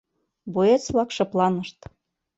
Боец-влак шыпланышт.